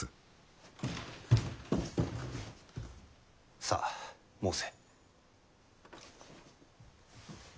さあ申せ。